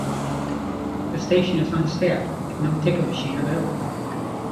The station is unstaffed, with no ticket machine available.